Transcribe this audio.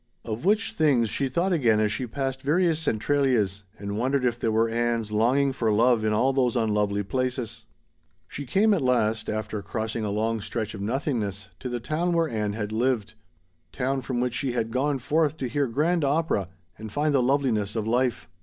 Of which things she thought again as she passed various Centralias and wondered if there were Anns longing for love in all those unlovely places. She came at last, after crossing a long stretch of nothingness, to the town where Ann had lived, town from which she had gone forth to hear grand opera and find the loveliness of life.